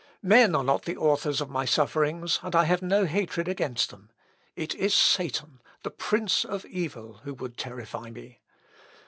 Men are not the authors of my sufferings, and I have no hatred against them. It is Satan, the prince of evil, who would terrify me.